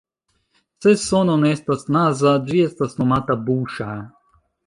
Se sono ne estas naza, ĝi estas nomata "buŝa.